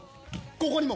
ここにも！